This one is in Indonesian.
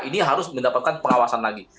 ini harus mendapatkan pengawasan lagi